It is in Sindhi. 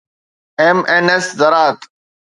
MNS زراعت